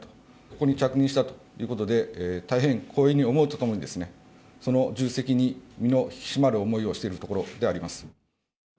ここに着任したということで、大変光栄に思うとともに、その重責に、身の引き締まる思いをしているところであります。